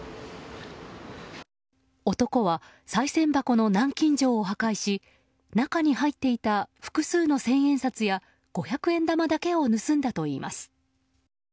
男はさい銭箱の南京錠を破壊し中に入っていた複数の千円札や五百円玉だけを盗んだといいます。